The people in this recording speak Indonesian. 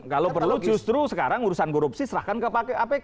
kalau perlu justru sekarang urusan korupsi serahkan ke pakai apk